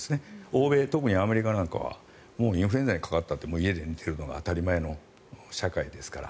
欧米、特にアメリカなんかはインフルエンザにかかっても家で寝ているのが当たり前ですから。